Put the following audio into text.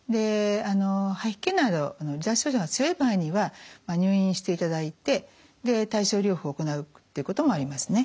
吐き気など離脱症状が強い場合には入院していただいて対処療法を行うということもありますね。